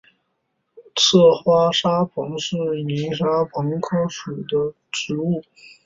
侧花沙蓬是苋科沙蓬属的植物。